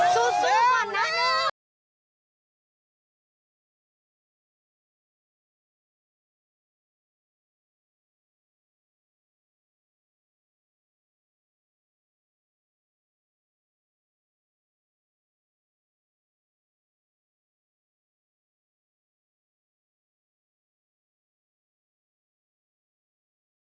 พอมาถึงจุดเกิดเหตุก่อนถึงวัดคลองเมืองจังหวัดภาษา